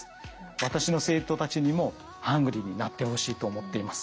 私の生徒たちにもハングリーになってほしいと思っています。